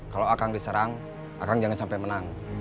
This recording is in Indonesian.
kalau akang diserang akang jangan sampai menang